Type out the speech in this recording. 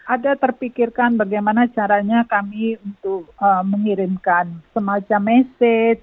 ada terpikirkan bagaimana caranya kami untuk mengirimkan semacam message